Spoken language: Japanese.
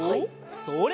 それ！